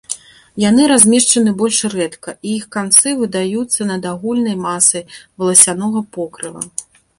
Яны размешчаны больш рэдка, і іх канцы выдаюцца над агульнай масай валасянога покрыва.